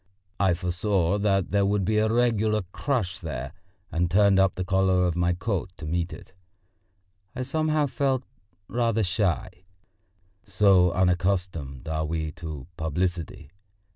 I foresaw that there would be a regular crush there, and turned up the collar of my coat to meet it. I somehow felt rather shy so unaccustomed are we to publicity.